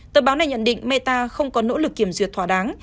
tờ báo này nhận định meta không có nỗ lực kiểm duyệt thỏa đáng